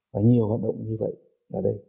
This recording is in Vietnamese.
phải học được